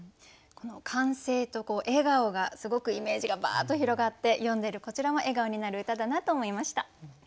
この歓声と笑顔がすごくイメージがばっと広がって読んでるこちらも笑顔になる歌だなと思いました。